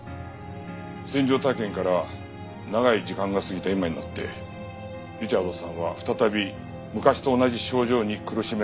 戦場体験から長い時間が過ぎた今になってリチャードさんは再び昔と同じ症状に苦しめられるようになった。